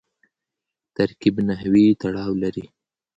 ترکیب نحوي تړاو لري.